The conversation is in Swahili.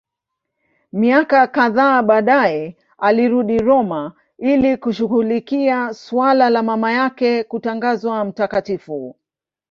Miaka kadhaa baadaye alirudi Roma ili kushughulikia suala la mama yake kutangazwa mtakatifu.